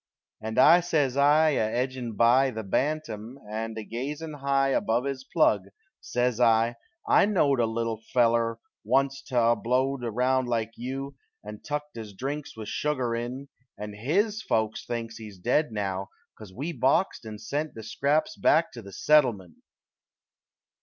And I says I, a edgin' by The bantam, and a gazin' high Above his plug says I: "I knowed A little feller onc't 'at blowed Around like you, and tuck his drinks With shugar in and his folks thinks He's dead now 'cause we boxed and sent The scraps back to the Settlement!"